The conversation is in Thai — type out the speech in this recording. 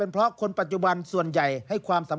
มันเยอะไปมันก็ไม่ไหวเนอะ